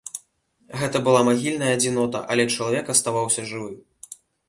Гэта была магільная адзінота, але чалавек аставаўся жывы.